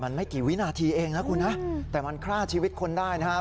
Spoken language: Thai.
มันไม่กี่วินาทีเองนะคุณนะแต่มันฆ่าชีวิตคนได้นะครับ